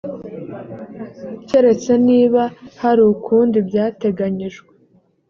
keretse niba hari ukundi byateganyijwe